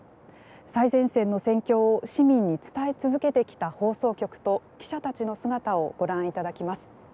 最前線の戦況を市民に伝え続けてきた放送局と記者たちの姿をご覧いただきます。